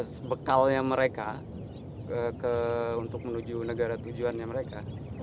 sebekalnya mereka untuk menuju negara tujuannya mereka